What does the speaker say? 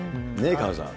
萱野さん。